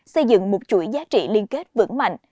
xây dựng một chuỗi giá trị liên kết vững mạnh